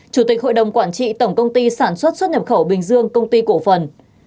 chủ tịch hội đồng quản trị tổng công ty sản xuất xuất nhập khẩu bình dương công ty cổ phần